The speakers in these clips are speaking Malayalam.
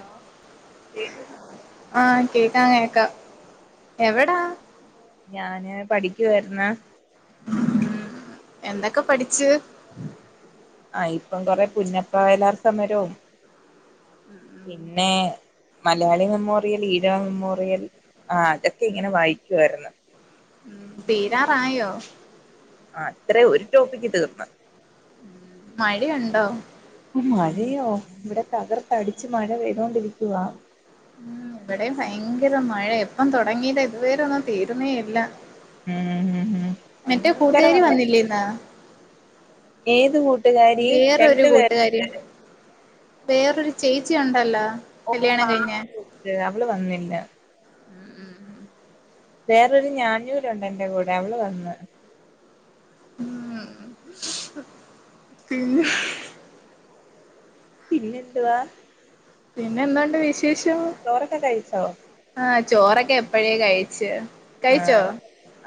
ഹലോ കേക്ക് ന്ന് [inaudible] ആഹ് കേക്കാവേ ക്ക എവിടാ ഞാന് പഠിക്കുവായിരുന്ന് ഉം എന്തൊക്കെ പഠിച്ച് ആ ഇപ്പം കൊറെ പുന്നപ്പ്ര വയലാർ സമരവും പിന്നെ മലയാളി മെമ്മോറിയൽ ഈരോ മെമ്മോറിയൽ ആ അതൊക്കെ ഇങ്ങനെ വായിക്കു ആയിരുന്നു. ഉം തീരാറായോ. ആഹ് അത്രയും ഒരു ടോപ്പിക്ക് തീർന്ന് മഴയുണ്ടോ മഴയോ ഇവിടെ തകർത്തടിച്ച് മഴ പെയ്തോണ്ടിരിക്കുവാ ഉ ഇവിടെ ഭയങ്കര മഴ എപ്പം തുടങ്ങിയത ഇതുവരെന്നും തീരുന്നേയില്ല ഉം ഉം ഉം മറ്റേ ഭയങ്കര കൂട്ടുകാരി മഴ വന്നില്ലേ ഇന്ന് ഏത് കൂട്ട്കാരി വേറൊരു രണ്ടു പേർ കൂട്ടുകാരി വേറൊരു ചേച്ചി ഉണ്ടല്ലോ കല്യാണം കഴിഞ്ഞ അവള് വന്നില്ല വേറൊരു ഞാഞ്ഞൂലുണ്ട് എന്റെ കൂടെ അവള് വന്ന് ഉം ഉം പിന്നെന്തുവാ പിന്നെ എന്തണ്ട് വിശേഷം ചോറൊക്കെ കഴിച്ചോ ആഹ് ചോറൊക്കെ എപ്പഴേ കഴിച്ച് കഴിച്ചോ ആഹ്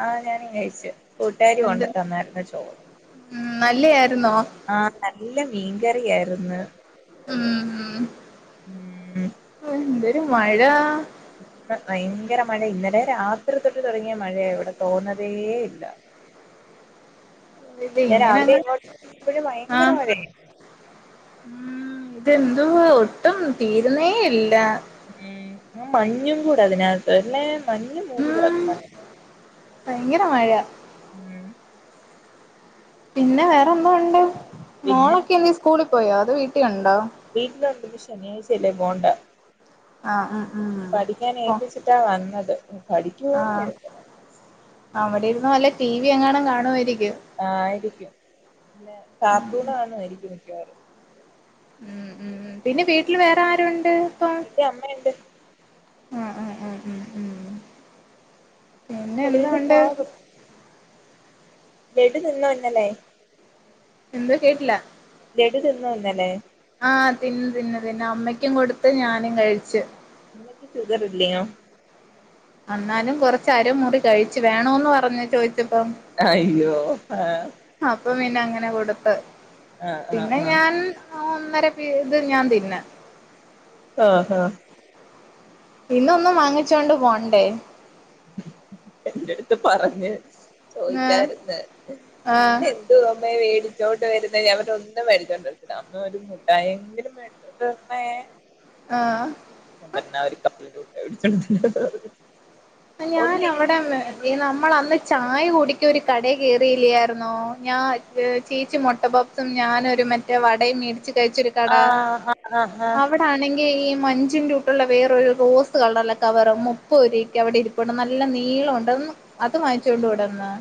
ആഹ് ഞാനി കഴിച്ചു കൂട്ടുകാരി എന്ത് കൊണ്ട് തന്നായിരുന്ന് ചോറ് ഉം നല്ല ആയിർന്നോ ആഹ് നല്ല മീൻകറിയായിര്ന്ന് ഉം ഉം ഉം എന്തൊരു മഴ ഭയങ്കര മഴ ഇന്നലെ രാത്രി തൊട്ട് തുടങ്ങിയ മഴയ ഇവിടെ തോന്നതേ ഇല്ല ഇല്ല ഞാൻ രാവിലെ ഇങ്ങനെങ്ങ് ഇങ്ങോട്ട് എപ്പോഴും ഭയങ്കര ആഹ് മഴയായിരുന്നു ഉം ഇതെതുവ ഒട്ടും തീരുന്നേയില്ല ഉം മഞ്ഞും കൂടെ അതിനകത്ത് അല്ലെ മഞ് മൂടികിട ഉം ഭയങ്കര മഴ ഉം പിന്നെ വേറെന്താ ഉണ്ട് പിന്നെ മോളൊക്കെന്തി സ്കൂളി പോയോ അതോ വീട്ടിലുണ്ടോ വീട്ടിൽ ഉണ്ട് ഇന്ന് ശനിയഴ്ച്ച അല്ലെ പോണ്ട ആഹ് ഉം ഉം പഠിക്കാൻ പ്പം ഏൽപ്പിച്ചിട്ടാ വന്നത് പഠിക്കുവോന്ന് ആഹ് അറിയത്തില്ല അവിടെ ഇരുന്ന് വല്ല ടി വി എങ്ങാണം കാണുമായിരിക്കും ആഹ് ആയിരിക്കും പിന്നെ കാർട്ടൂൺ കണയിരിക്കും മിക്കവാറും ഉം ഉം പിന്നെ വീട്ടിൽ വേറെ ആരുണ്ട് ഇന്റെ അമ്മ ഇണ്ട് ആഹ് ആഹ് ആഹ് ഉം ഉം പിന്നെ എന്തോ ഉണ്ട് [unintelligible] ഇന്നല്ലേ എന്ത് കേട്ടില്ല ലെഡു തിന്നോ ഇന്നല്ലേ ആഹ് തിന്ന് തിന്ന് തിന്ന് അമ്മയ്ക്കും കൊടുത്ത് ഞാനും കഴിച്ച് അമ്മക്ക് ഷുഗർ ഇല്ലയോ അന്നാലും കൊറച്ച് അര മുറി കഴിച്ച് വേണോന്ന് പറഞ്ഞ് ചോയിച്ചപ്പം അയ്യോ ആഹ് അപ്പ പിന്നെ അങ്ങനെ കൊട്ത്ത് ആഹ് ആഹ് പിന്നെ ആഹ് ഞാൻ ആഹ് ഒന്നര പി ഇത് ഞാൻ തിന്ന് ആഹ് ഹ ഇന്നൊന്നും വാങ്ങിച്ചോണ്ട് പോണ്ടേ എന്റെട്ത്ത് പറഞ്ഞ് ആഹ് ചോദിച്ചായിര്ന്ന് ആഹ് പിന്ന തോന്നു നെ മേടിച്ചോട്ട് വരുന്ന ഞാ പറഞ്ഞ് ഒന്നും മേടിച്ചോണ്ടരത്തില്ല അമ്മ ഒരു മുട്ടയി എങ്കിലും മേ [unintelligible] മേ ആഹ് എന്തലാം ഒരു കപ്പ [unintelligible] ഞാൻ അവടെ ഇളെ നമ്മൾ അന്ന് ചായ കുടിക്കരു കട കയറിയില്ലായിരുന്നോ ഞാൻ ചേച്ചി മുട്ടപ്പപ്പ്- ഞാന ഒരു മറ്റേ വടയും മേടിച്ച് കഴിച്ചൊരു കട ആഹ് ആഹ് ആഹ് ആഹ് അവിടെണെങ്കി ഈ മഞ്ചിന്റൂട്ടുള്ള വേറൊരു റോസ് കള്ളല്ല കവറും മുപ്പോരി അവടെ ഇരിപ്പുണ്ട് നല്ല നീളം ഒണ്ട് അത് വാങ്ങിച്ചൊണ്ടോടെന്നോ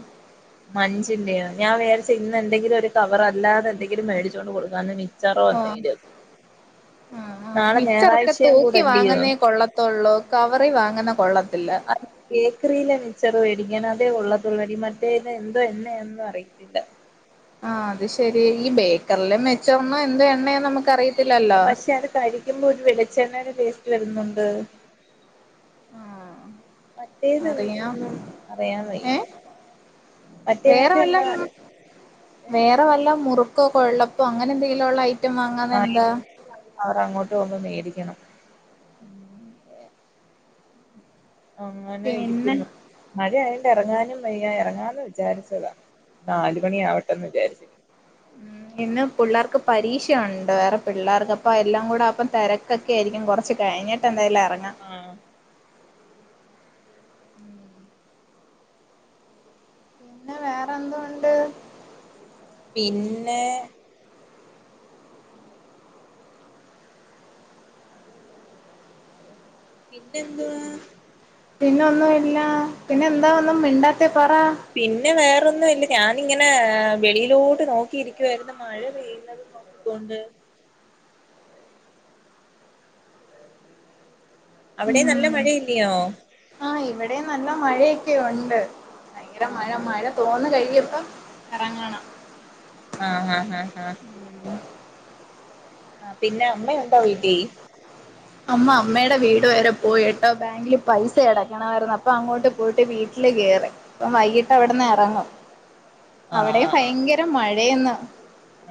മഞ്ചിന്റെയോ ഞാൻ വേരിച്ച് ഇന്ന് എന്തെങ്കിലും ഒരു കവറ് അല്ലാതെ എന്തെങ്കിലും മേടിച്ചോണ്ട് കൊടുക്കാന്ന് മിച്ചറോ ഓഹ് എന്തെങ്കിലും ആഹ് ആഹ് നാളെ മിച്ചറൊക്കെ ഞായറാഴ്ചയും തൂക്കി കൂടല്ലയോ വാങ്ങുന്നേ കൊള്ള തൊള്ളോ കവറി വാങ്ങുന്നെ കൊള്ളത്തില്ല ബേക്കറീലെ മിച്ചറ് വേടിക്കണം അതേ കൊള്ളത്തോള്ളൂ എടി മറ്റേത് എന്തുവാ എണ്ണെയൊന്നും അറിയത്തില്ല ആഹ് അത് ശരി ഈ ബേക്കറിലേം മെച്ചോന്ന് എന്തോ എണ്ണയാന്നു നമുക്ക്റിയ പക്ഷെ അത് കഴിക്കുമ്പോ ഒരു വെളിച്ചെണ്ണടെ ടെസ്റ്റ് വരുന്നുണ്ട് മറ്റേത് അറിയാം ഒന്നും അറിയാൻ വയ്യ ഏഹ് വേറെ വല്ല മറ്റേതിനകത്ത് [unintelligible] വേറെ വല്ലോം മുറുക്കോ കൊഴലപ്പോ അങ്ങനെ എന്തെങ്കിലും ഒള്ള ഐറ്റം വാങ്ങാന്നെ എന്താ അവർടെ അങ്ങോട്ട് പോകുമ്പോ വേടിക്കണം അങ്ങനെ പിന്നെ ഇരിക്കുന്നു മഴയായോണ്ട് എറങ്ങാനും വയ്യ ഇറങ്ങാന്ന് വിചാരിച്ചതാ നാല് മണിയാവട്ടെന്ന് വിചാരിച്ച ഉം ഇന്ന് പുള്ളേർക്ക് പരീക്ഷയൊണ്ട് വേറെ പിള്ളേർക്ക് അപ്പോ എല്ലാം കൂടെ ആവുമ്പോ തെരക്ക് - ക്കെ ആയിരിക്കും കൊറച്ച് കഴിഞ്ഞട്ട് എന്തായാലും എറങ്ങാം- ആഹ് പിന്നെ വേറെ എന്തൊണ്ട് പിന്നെ- പിന്നെന്തുവാ- പിന്നെ ഒന്നുംയില്ല പിന്നെ എന്താ ഒന്നും മിണ്ടാത്തെ പറ- പിന്നെ വേറൊന്നുംയില്ല ഞാനിങ്ങനെ വെളിയിലോട്ട് നോക്കിയിരിക്കുവായിരുന്നു മഴ പെയ്യുന്നത്- നോക്കിക്കോണ്ട് അവിടെം നല്ല മഴയില്ലിയോ ആ ഇവിടെം നല്ല മഴയൊക്കെ ഒണ്ട് ഭയങ്കര മഴ ആഹ് മഴ- തോന്ന് കഴിയിമ്പം എറങ്ങണം ആഹ് ആഹ് ആഹ് ആ പിന്നെ അമ്മയുണ്ടോ വീട്ടി- [inaudible] അമ്മ അമ്മേടെ വീട് വരെ പോയിട്ടോ ബാങ്കില് പൈസ അടക്കണായിരുന്നു അപ്പൊ അങ്ങോട്ട് പോയിട്ട് വീട്ടില് കേറി ഇപ്പം വൈകിട്ട് അവിടെന്ന് എറങ്ങും അവിടെം ആഹ് ആഹ് ആഹ് ഭയങ്കര മഴയെന്ന്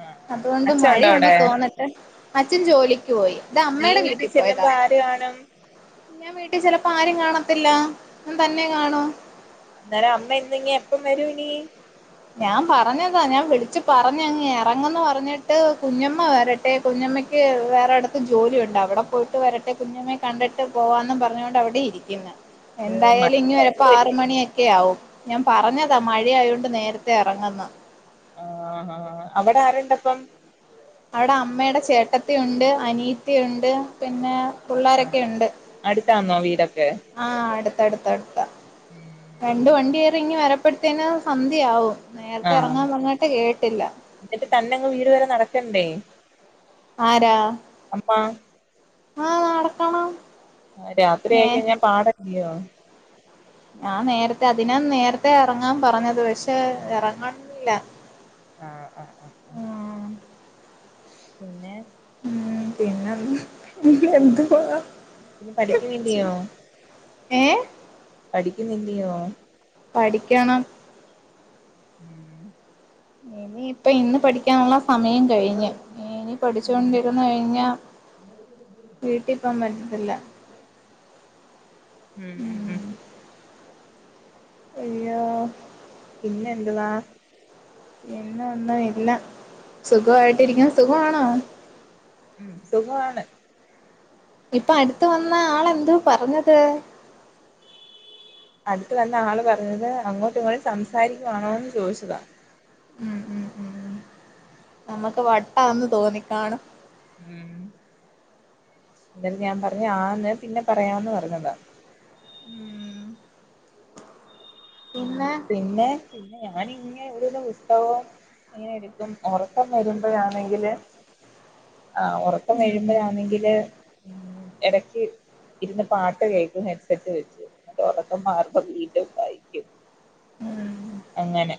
ആഹ് അതുകൊണ്ട് അച്ഛൻ ഉണ്ടോ അവിടെ മഴയൊന്നും തോന്നി - ട്ട് അച്ഛൻ ജോലിക്ക് പോയി ഇത് നീ അമ്മേടെ വീട്ടിൽ വീട്ടിപോയതാ ചെല്ലുമ്പോ ആര് കാണും ഞാൻ വീട്ടിൽ ചെലപ്പോ ആരും കാണത്തില്ല ഞാൻ തന്നെ കാണൂ അന്നേരം അമ്മ ഇനിയെപ്പം വരും ഇനി ഞാൻ പറഞ്ഞതാ ഞാൻ വിളിച്ചു പറഞ്ഞയങ്ങ് എറങ്ങെന്ന് പറഞ്ഞിട്ട് കുഞ്ഞമ്മ വര ട്ടെ കുഞ്ഞമ്മയ്ക്ക് വേറെരുടത്ത് ജോലിയുണ്ട് അവിടെ പോയിട്ട് വരട്ടെ കുഞ്ഞമ്മെ കണ്ടിട്ട് പോവാന്നും പറഞ്ഞൊണ്ട് അവിടെ ഇരി- രിക്കുന്നെ ഓഹ് മഴ എന്തായാലും ഇഞ്ഞി വെരുമ്പോ ആറ് വരുവല്ലേ മണിയൊക്കെയാവും ഞാൻ പറഞ്ഞതാ മഴ ആയൊണ്ട് നേരത്തെ ത്തെ എറങ്ങെന്ന് ആഹ് ആഹ് അവിടെ ആരുണ്ട് അപ്പം അവടെ അമ്മേടെ ചേട്ടത്തിയുണ്ട് അനീത്തിയുണ്ട് പിന്നെ ആഹ് പുള്ളാരൊക്കെയുണ്ട് അടുത്താന്നോ വീടൊക്കെ ആഹ് അടുത്തടുത്തടുത്താ രണ്ട് വണ്ടി കേറി ഇങ്ങ് വരുമ്പഴുതേന് സന്ധ്യയാവും നേരത്തെ ആഹ് എറങ്ങാൻ പറഞ്ഞിട്ട് കേട്ടില്ല എന്നിട്ട് തന്നെങ്ങ് വീട് വരെ നടക്കണ്ടേ ആരാ അമ്മ ആ നടക്കണം ആ രാത്രിയായി നേ കഴിഞ്ഞാ പാടല്ലിയോ ഞാൻ നേരത്തെ അതിനാ നേരത്തെ എറങ്ങാൻ പറഞ്ഞത് പക്ഷെ എറങ്ങണില്ല ആഹ് ആഹ് ആഹ് ആഹ് ഉം പിന്നെ ഉം പിന്നെ എന്ത് പിന്നെ എന്തുവാ പിന്നെ പഠിക്കുന്നില്ലയോ ഏഹ് പഠിക്കുന്നില്ലിയോ പഠിക്കണം ഉം ഇനിയിപ്പ ഇന്ന് പഠിക്കാനുള്ള സമയം കഴിഞ്ഞ് ഇനി ഉം പഠിച്ചൊണ്ടിരിന്ന് കഴിഞ്ഞാ വീട്ടീപോകാൻ പറ്റത്തില്ല ഉം ഉം അയ്യാ പിന്നെ എന്തുവാ പിന്നൊന്നും ഇല്ല സുഖായിട്ടിരിക്കുന്നു സുഖാമാണോ ഉം സുഖമാണ് ഇപ്പൊ അടുത്തു വന്ന ആള് എന്തു പറഞ്ഞത് അടുത്ത് വന്ന ആള് പറഞ്ഞത് അങ്ങോട്ടു ഇങ്ങോട്ടു സംസാരിക്കുവാണോന്ന് ചോദിച്ചതാ ഉം ഉം ഉം ഉം നമ്മുക്ക് വട്ടാന്ന് തോന്നിക്കാണും ഉം എന്നട്ട്ഞാൻ പറഞ്ഞ് ആന്ന് പിന്നെ പറയാന്ന് പറഞ്ഞതാ മ് ഉം പിന്നെ പിന്നെ ഞാനിങ്ങേ ഓരോന്ന് പുസ്തകോം അങ്ങനെടുക്കും ഒറക്കം വരുമ്പഴാണെങ്കില് ആഹ് ഒറ ക്കം ഉം വരുമ്പഴാണെങ്കില് എടക്ക് ഇരുന്ന് പാട്ട് കേൾക്കും ഹെഡ്സെറ്റ് വെച്ച് തൊടക്കം മാർഗംവീണ്ടും വായിക്കും മ് അങ്ങനെ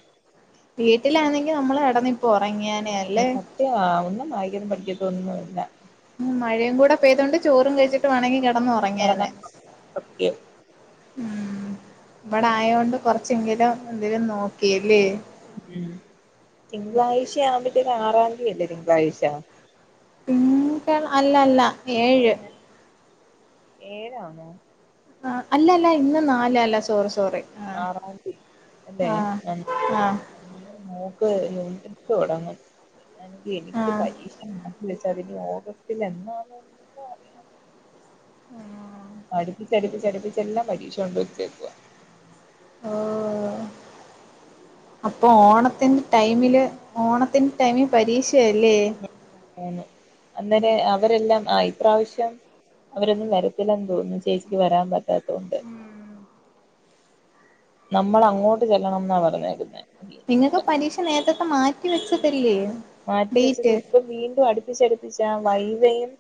വീട്ടിലാണെങ്കി നമ്മള് കെടന്നിപ്പൊ ഒറങ്ങിയെനെ ഉം സത്യവാ ഒന്നും വായിക്കലും പഠിക്കത്തൊന്നുല്ല ഉം മഴേം കൂടെ പെയ്തോണ്ട് ചോറും കഴിച്ചിട്ട് വേണങ്ങി കിടന്നാ കെടന്നൊറങ്ങിയെനെ സത്യം ഉം ഇവിടായൊണ്ട് കുറച്ചെങ്കിലും എന്തേലും നോക്കിയേല്ലേ ഉം തിങ്കളാഴ്ച്ച ആവുമ്പത്തേക്കും ആറാം തീയല്ലേ തിങ്കളാഴ്ച്ച തിങ്കൾ അല്ല അല്ല ഏഴ് ഏഴാണോ ആഹ് അല്ല അല്ല ഇന്ന് നാല് അല്ല സോറി സോറി ആ ആറാംതീ അല്ലെ ആ ആ മോക്ക് യുണിറ്റ് ടെസ്റ്റ് തൊടങ്ങും പിന്ന എനിക്ക് ആ എനിക്ക് പരീക്ഷ ന്ന് വിളിച്ചാതിനി ഓഗസ്റ്റിലെന്നാകും ആണോ അടുപ്പിച്ചടുപ്പിച്ചടുപ്പിച്ചെല്ലാം പരീക്ഷ കൊണ്ട് വെച്ചേക്കുവാ ഓഹ് അപ്പൊ ഓണത്തിന്റ ടൈമില് ഓണത്തിൻ ടൈമി പരീക്ഷയല്ലേ ആന്ന് അന്നെരെ അവരെല്ലാം ആ ഇപ്രാവശ്യം അവരൊന്നും വരത്തില്ലാന്ന് തോന്നുന്നു ചേച്ചിക്ക് വരാൻ പറ്റാത്തോണ്ട് ഉം നമ്മളങ്ങോട്ട് ചെല്ലണംന്നാ പറഞ്ഞേക്കുന്നേ നിങ്ങക്ക് പരീക്ഷ നേരത്തത്തെ മാറ്റി വെച്ചതല്ലേ മാറ്റിവെച്ചത് ഡേറ്റ് ഇപ്പൊ വീണ്ടും അടുപ്പിച്ചടുപ്പിച്ച് ആ വൈവെയും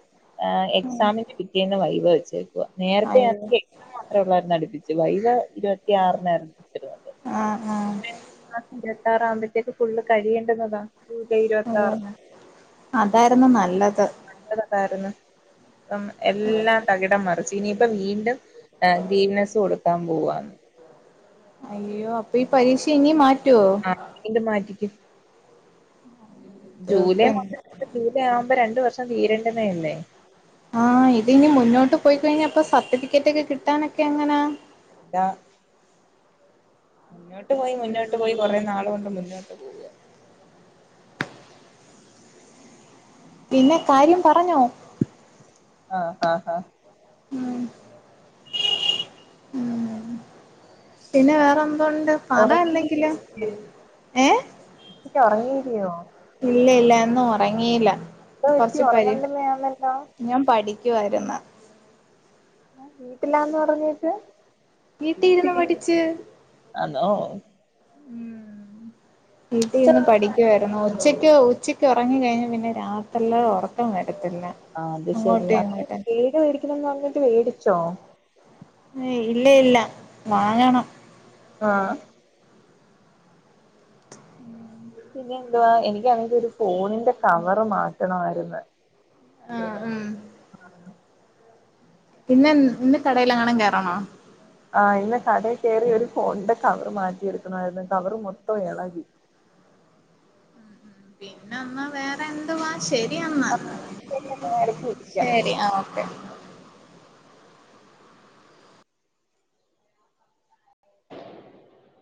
ആഹ് എക്സാമിന്റെ പിറ്റേന്ന് വൈവേ വെച്ചേക്കുവാ നേരത്തെ അയ്യോ ആക്കേ അത്രേ ഒള്ളാരുന്നു അടുപ്പിച്ചു വൈവേ ഇരുപത്തിയാറിനാരുന്നു ആഹ് ആഹ് ആ ഹ് ഇരുപത്താറാവുമ്പഴത്തേക്ക് ഫുള്ള് കഴേണ്ടുന്നതാ അതായിരുന്നു നല്ലത് നിന്റേത് എന്തായിരുന്ന് ഉം എല്ലാം തകിടം മറിച്ച് ഇനിയിപ്പം വീണ്ടും ഗ്രീനെസ് കൊടുക്കാൻ പോവാന്ന് അയ്യോ അപ്പൊ ഈ പരീക്ഷ ഇനി മാറ്റോ ഇനി ഇത് മാറ്റിക്കും ഇപ്പ ജൂലൈ മാസം ജൂലൈ ആവുമ്പോ രണ്ട് വർഷം തീരേണ്ടന്നെ അല്ലേ ആഹ് ഇത് ഇനി മുന്നോട്ട് പോയി കഴിഞ്ഞ അപ്പൊ സർട്ടിഫിക്കറ്റ് ഒക്കെ കിട്ടാനൊക്കെ എങ്ങനാ ലാ മുന്നോട്ട് പോയി മുന്നോട്ട് പോയി കുറേ നാളുകൊണ്ട് മുന്നോട്ട് പോവുക ഇല്ല കാര്യം പറഞ്ഞോ ആഹ് ആഹ് ആഹ് ഉം ഉം പിന്നെ വേറെന്തുണ്ട് പറ എന്തെങ്കിലം ഏഹ് ഇല്ല ഒറങ്ങീരിയോ ഇല്ല ഇല്ല ഇന്ന് ഒറങ്ങിയില്ല എന്തോ പറ്റി കൊറച്ച് പരി ഉറങ്ങണ്ടെന്നാന്നല്ലോ ഞാൻ പഠി ക്കുവാരുന്ന് വീട്ടിലാന്ന് പറഞ്ഞിട്ട് വീട്ടിൽ ഇരുന്ന് പഠിച്ച് [unintelligible] ആണോ വീട്ടിരിന്ന് പുസ്തകം പഠിക്കുവായിരുന്നൂ ഉച്ചയ്ക്ക് ഉച്ചയ്ക്ക് ഒറങ്ങി കഴിഞ്ഞാൽ പിന്നെ രാത്രില് ഒറക്കം വരത്തില്ല അത് ശരി അങ്ങോട്ടും അൻക്ക് ഇങ്ങോട്ടും പേട് മേടിക്കണന്ന് പറഞ്ഞിട്ട് മേടിച്ചോ ഏയ്‌ ഇല്ല ഇല്ല വാങ്ങണം ആഹ് പിന്നെ എന്തുവാ എനിക്കണെങ്കി ഒരു ഫോണിന്റെ കവർ മാറ്റണമായിരുന്ന് ആഹ് ഉം പിന്നെന്ന് ഇന്ന് കടേലെങ്ങാനും കേറണോ ആഹ് ഇന്ന് കടയിൽ കയറി ഒരു ഫോണിന്റെ കവറ് മാറ്റിെടുക്കണായിരുന്നു കവറ് മൊത്തം എളകി പിന്നെന്നാ വേറെ എന്തുവാ ശരി എന്നാ ഇടക്ക് വിളിക്ക ശരി ആഹ് ഓക്കെ